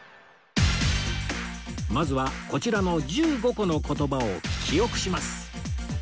まずはこちらの１５個の言葉を記憶します